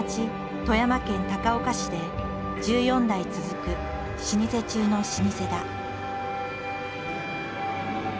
富山県高岡市で１４代続く老舗中の老舗だ。